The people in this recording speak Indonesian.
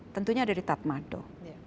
tentunya dari tatmadaw